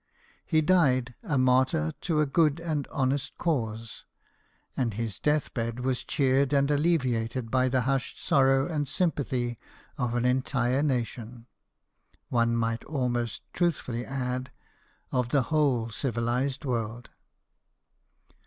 He died a martyr to a good and honest cause, and his death bed was cheered and alleviated by the hushed sorrow and sympathy of an entire nation one might almost truthfully add, of the whole civilized world.